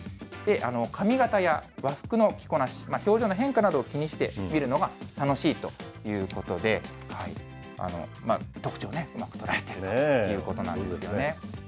髪形や和服の着こなし、表情の変化などを気にして見るのが楽しいということで、特徴をうまく捉えているということなんですね。